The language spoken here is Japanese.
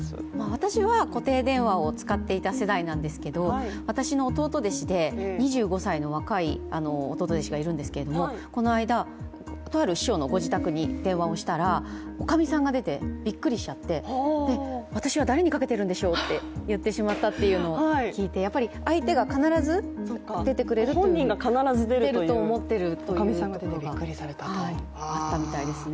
私は固定電話を使っていた世代なんですけれども、私には２５歳の若い弟弟子がいるんですけど、この間、とある師匠のご自宅に電話をしたら、おかみさんが出て、びっくりしちゃって私は誰にかけているんでしょうっていうのを言ってしまったというのを聞いて相手が必ず出てくれると思っているということがあったみたいですね。